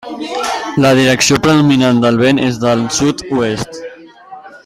La direcció predominant del vent és del sud-oest.